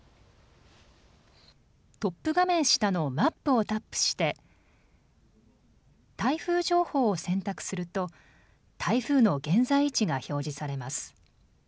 トップ画面下のマップをタップして台風情報を選択すると台風の現在位置が表示されます。